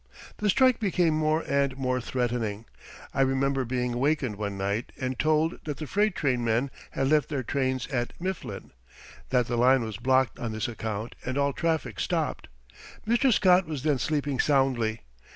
The strike became more and more threatening. I remember being wakened one night and told that the freight train men had left their trains at Mifflin; that the line was blocked on this account and all traffic stopped. Mr. Scott was then sleeping soundly.